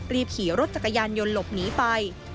ขี่รถจักรยานยนต์หลบหนีไป